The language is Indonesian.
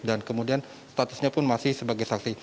dan kemudian statusnya pun masih sebagai saksi